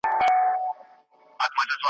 ته به ولي په چاړه حلالېدلای `